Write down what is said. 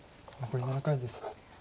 残り７回です。